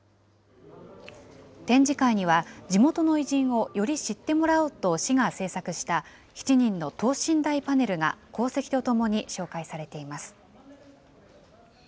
展示会には、地元の偉人をより知ってもらおうと市が製作した７人の等身大パネルが功績とともに紹介されています。